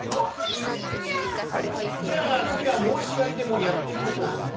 重いよしんちゃん。じゃあ次は申し合いでもやってみるか。